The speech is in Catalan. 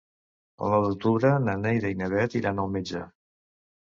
El nou d'octubre na Neida i na Bet iran al metge.